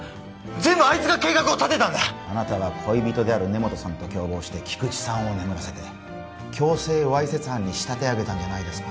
全部あいつが計画を立てたんだあなたが恋人である根元さんと共謀して菊池さんを眠らせて強制わいせつ犯に仕立て上げたんじゃないですか？